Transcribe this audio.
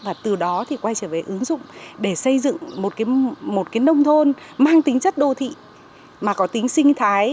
và từ đó thì quay trở về ứng dụng để xây dựng một cái nông thôn mang tính chất đô thị mà có tính sinh thái